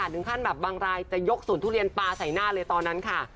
ถึงขั้นแบบบางรายจะยกสวนทุเรียนปลาใส่หน้าเลยตอนนั้นค่ะ